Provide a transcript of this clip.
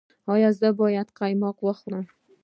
ایا زه باید قیماق وخورم؟